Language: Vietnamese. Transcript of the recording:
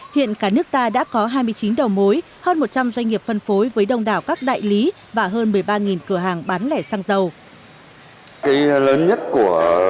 hiện cả nước ta đã có hai mươi chín đầu mối hơn một trăm linh doanh nghiệp phân phối với đông đảo các đại lý và hơn một mươi ba cửa hàng bán lẻ xăng dầu